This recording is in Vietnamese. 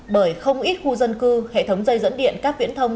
bởi không ít khu dân cư hệ thống dây dẫn điện các viễn thông